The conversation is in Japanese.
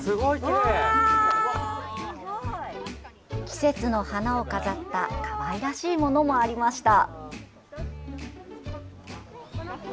季節の花を飾ったかわいらしいものもありました。